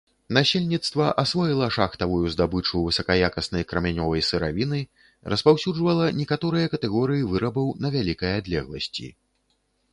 Насельніцтва асвоіла шахтавую здабычу высакаякаснай крамянёвай сыравіны, распаўсюджвала некаторыя катэгорыі вырабаў на вялікай адлегласці.